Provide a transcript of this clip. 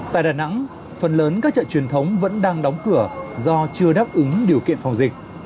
tại đà nẵng phần lớn các chợ truyền thống vẫn đang đóng cửa do chưa đáp ứng điều kiện phòng dịch